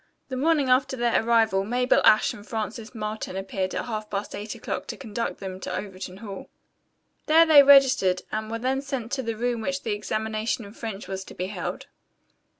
The morning after their arrival Mabel Ashe and Frances Marlton appeared at half past eight o'clock to conduct them to Overton Hall. There they registered and were then sent to the room where the examination in French was to be held.